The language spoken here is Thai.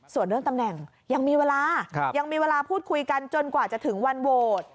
ส่วนเรื่องตำแหน่งยังมีเวลายังมีเวลาพูดคุยกันจนกว่าจะถึงวันโหวต